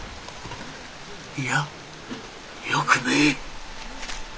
いやよくねえ！